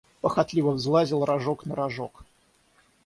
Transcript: Похотливо взлазил рожок на рожок.